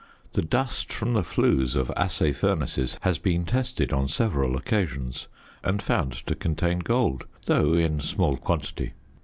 The dust from the flues of assay furnaces has been tested on several occasions and found to contain gold, though in small quantity.